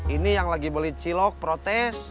ini yang lagi beli cilok protes